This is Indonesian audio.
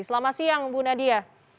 selamat siang bu nadia